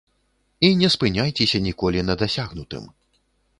І не спыняйцеся ніколі на дасягнутым.